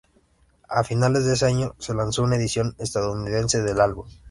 A finales de ese año, se lanzó una edición estadounidense del álbum.